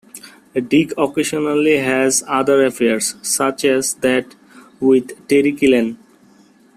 Dick occasionally has other affairs, such as that with Terry Kileen.